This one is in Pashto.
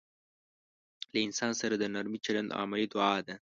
له انسان سره د نرمي چلند عملي دعا ده.